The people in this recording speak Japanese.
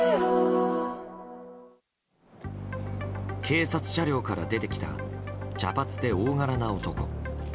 警察車両から出てきた茶髪で大柄な男。